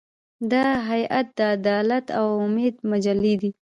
دا هیئت د عدالت او امید مجلې دی.